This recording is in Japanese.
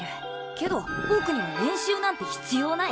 けどぼくには練習なんて必要ない！